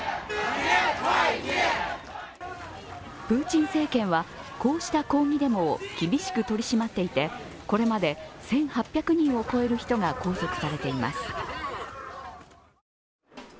プーチン政権は、こうした抗議デモを厳しく取り締まっていて、これまで１８００人を超える人が拘束されています。